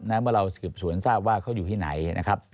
เมื่อเราสืบสวนทราบว่าเขาอยู่ที่ไหนนะครับ